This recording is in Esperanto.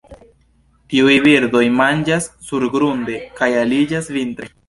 Tiuj birdoj manĝas surgrunde, kaj ariĝas vintre.